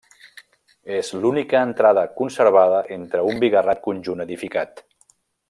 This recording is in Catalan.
És l'única entrada conservada entre un bigarrat conjunt edificat.